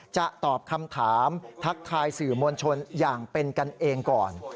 จะตอบคำถามทักทายสื่อมวลชนอย่างเป็นกันเองก่อน